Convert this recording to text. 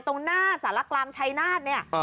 ตรงหน้าสารกลางชัยนาธเนี่ย